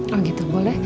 oh gitu boleh